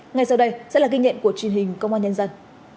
ngay sau đây sẽ là kinh nghiệm của truyền hình công an nhân dân